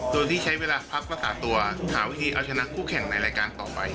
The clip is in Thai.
โดยที่ใช้เวลาพักรักษาตัวหาวิธีเอาชนะคู่แข่งในรายการต่อไป